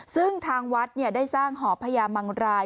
ซึ่งทางวัดได้สร้างหอพญามังราย